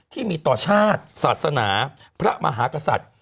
ที่มีต่อชาติศาสนาพระมหากษัตริย์